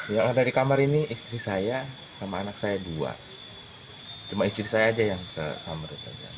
yang ada di kamar ini istri saya sama anak saya dua cuma istri saya aja yang ke sumrut saja